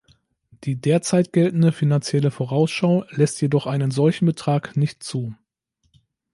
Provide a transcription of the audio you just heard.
Die derzeit geltende finanzielle Vorausschau lässt jedoch einen solchen Betrag nicht zu.